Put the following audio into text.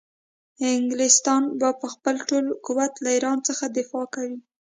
انګلستان به په خپل ټول قوت له ایران څخه دفاع کوي.